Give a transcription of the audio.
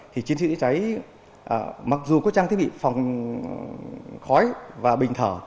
thì chiến sĩ cháy mặc dù có trang thiết bị phòng khói và bình thở